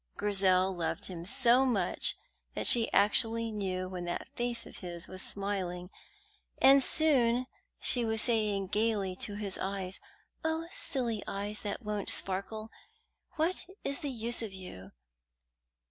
Grizel loved him so much that she actually knew when that face of his was smiling, and soon she was saying gaily to his eyes: "Oh, silly eyes that won't sparkle, what is the use of you?"